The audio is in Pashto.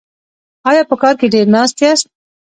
ایا په کار کې ډیر ناست یاست؟